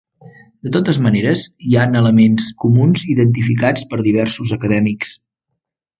De totes maneres, hi han elements comuns identificats per diversos acadèmics.